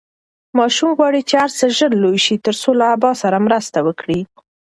ماشوم غواړي چې هر څه ژر لوی شي ترڅو له ابا سره مرسته وکړي.